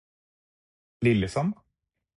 Lillesand